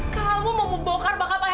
kamu mau membongkar bakap ayah kamu amira